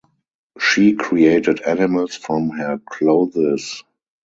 She created animals from her clothes.